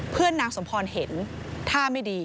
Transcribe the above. เพื่อนนางสมพรเห็นท่าไม่ดี